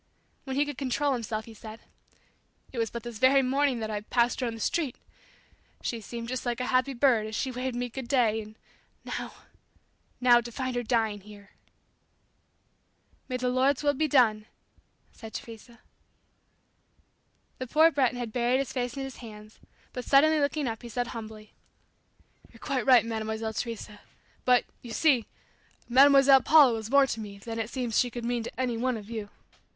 When he could control himself he said, "It was but this very morning that I passed her on the street. She seemed just like a happy bird as she waved me 'good day,' and now now to find her dying here!" "May the dear Lord's will be done!" said Teresa. The poor Breton had buried his face in his hands, but suddenly looking up, he said humbly, "You're quite right, Mademoiselle Teresa but, you see, Mademoiselle Paula was more to me than it seems she could mean to any one of you.